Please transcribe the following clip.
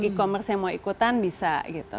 e commerce yang mau ikutan bisa gitu